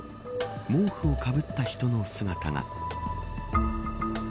毛布をかぶった人の姿が。